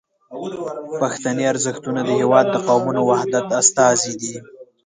پښتني ارزښتونه د هیواد د قومونو وحدت استازي دي.